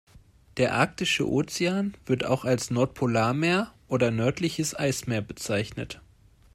Der Arktische Ozean, wird auch als Nordpolarmeer oder nördliches Eismeer bezeichnet.